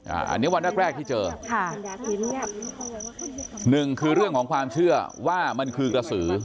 อันนี้วันแรกแรกที่เจอค่ะหนึ่งคือเรื่องของความเชื่อว่ามันคือกระสือ